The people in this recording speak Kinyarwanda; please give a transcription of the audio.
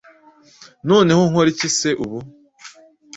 Noneho nkore iki se ubu?